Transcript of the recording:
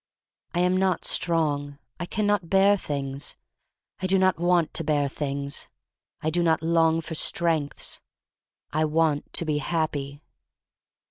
I am not strong. I can not bear things. I do not want to bear things. I do not long for strength. I want to be happy.